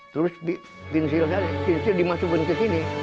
terus kincir dimasukkan ke sini